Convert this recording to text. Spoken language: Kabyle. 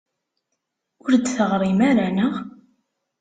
Ur d-teɣrim ara, naɣ?